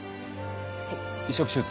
はい移植手術？